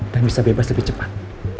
dan bisa bebas lebih cepat